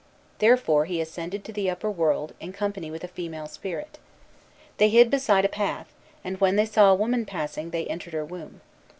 Therefore he ascended to the upper world, in company with a female spirit. They hid beside a path, and, when they saw a woman passing, they entered her womb.